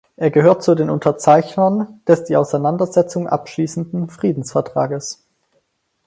Er gehörte zu den Unterzeichnern des die Auseinandersetzung abschließenden Friedensvertrages.